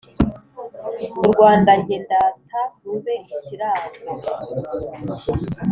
u rwanda nge ndata rube ikirango